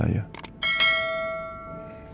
tidak ada jawaban